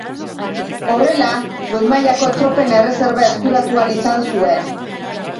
Horrela, goi mailako tropen erreserba eskuratu ahal izan zuen.